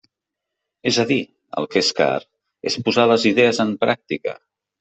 És a dir, el que és car és posar les idees en pràctica.